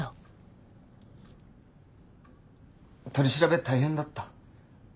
取り調べ大変だった？